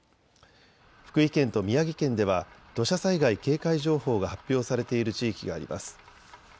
福井県と宮城県では土砂災害警戒情報が発表されている地域があります。